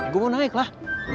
gue mau naik lah